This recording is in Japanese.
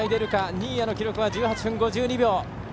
新谷の記録が１８分５２秒。